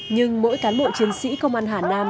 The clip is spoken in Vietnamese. nhưng mỗi cán bộ chiến sĩ công an hà nam